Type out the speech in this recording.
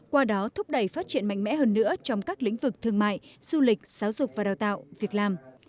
qua đó thúc đẩy phát triển mạnh mẽ hơn nữa trong các lĩnh vực thương mại du lịch giáo dục và đào tạo việc làm